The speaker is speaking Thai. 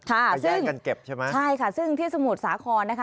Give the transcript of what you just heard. ไปแยกกันเก็บใช่ไหมใช่ค่ะซึ่งที่สมุทรสาครนะคะ